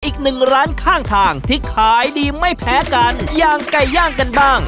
อีกหนึ่งร้านข้างทางที่ขายดีไม่แพ้กันอย่างไก่ย่างกันบ้าง